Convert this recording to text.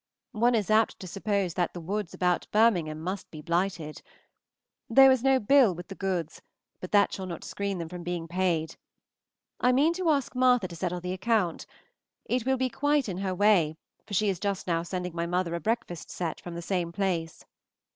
One is apt to suppose that the woods about Birmingham must be blighted. There was no bill with the goods, but that shall not screen them from being paid. I mean to ask Martha to settle the account. It will be quite in her way, for she is just now sending my mother a breakfast set from the same place.